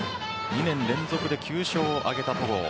２年連続で９勝を挙げた戸郷。